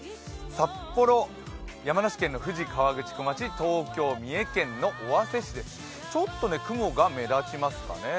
札幌、山梨県の富士河口湖町東京、三重県の尾鷲市です、ちょっと雲が目立ちますね。